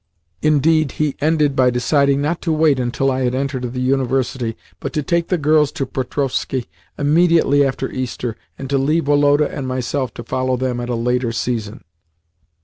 Indeed, he ended by deciding not to wait until I had entered the University, but to take the girls to Petrovskoe immediately after Easter, and to leave Woloda and myself to follow them at a later season.